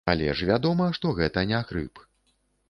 Але ж вядома, што гэта не грып.